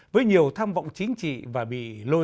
với nhiều tham vọng chính trị và bị lôi